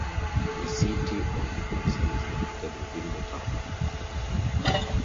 The City of Hudson is located within the town.